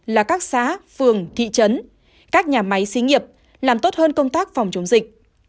là các xã phường thị trấn các nhà máy xí nghiệp làm tốt hơn công tác phòng chống dịch